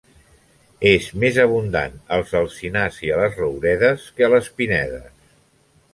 És més abundant als alzinars i a les rouredes que a les pinedes.